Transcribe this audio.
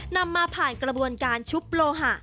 นำมาผ่านกระบวนการชุบโลหะ